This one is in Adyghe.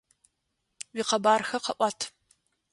Уикъэбархэ къэӏуат!